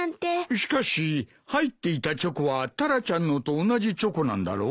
しかし入っていたチョコはタラちゃんのと同じチョコなんだろう？